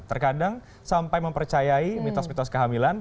terkadang sampai mempercayai mitos mitos kehamilan